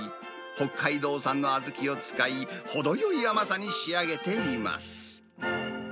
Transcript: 北海道産の小豆を使い、程よい甘さに仕上げています。